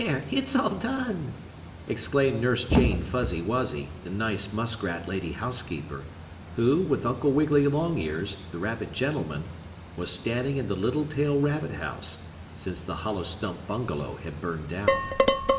It's all done!" exclaimed Nurse Jane Fuzzy Wuzzy, the nice muskrat lady housekeeper, who, with Uncle Wiggily Longears, the rabbit gentleman, was staying in the Littletail rabbit house, since the hollow stump bungalow had burned down.